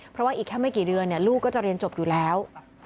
เพราะว่าอีกแค่ไม่กี่เดือนลูกก็จะเรียนจบอยู่แล้ว